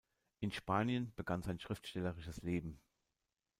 In Spanien begann sein schriftstellerisches Leben.